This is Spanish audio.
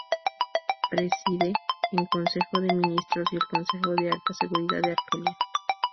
Preside en Consejo de Ministros y el Consejo de Alta Seguridad de Argelia.